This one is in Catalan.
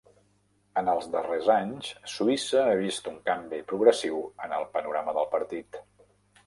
En els darrers anys, Suïssa ha vist un canvi progressiu en el panorama del partit.